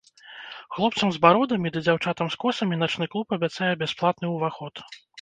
Хлопцам з бародамі ды дзяўчатам з косамі начны клуб абяцае бясплатны ўваход.